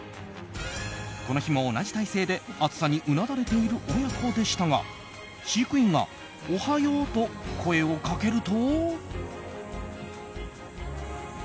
この日も同じ体勢で暑さにうなだれている親子でしたが飼育員がおはようと声をかけると。